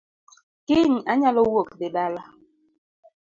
Kiny anyalo wuok dhi dala